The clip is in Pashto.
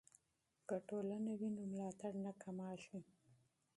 که ټولنه وي نو ملاتړ نه کمیږي.